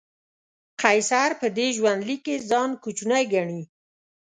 قیصر په دې ژوندلیک کې ځان کوچنی ګڼي.